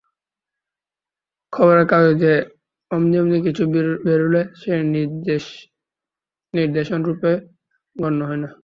খবরের কাগজে অমনি অমনি কিছু বেরুলে সেটি নিদর্শনরূপে গণ্য হয় না।